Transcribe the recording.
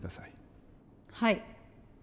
はい。